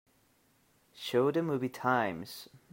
show the movie times